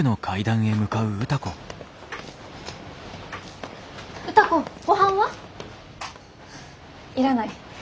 歌子ごはんは？いらない。